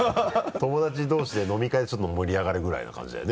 友達同士で飲み会でちょっと盛り上がるぐらいの感じだよね？